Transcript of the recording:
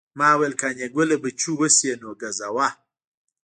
ما ویل قانع ګله بچو اوس یې نو ګزوه.